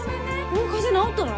もう風邪治ったの？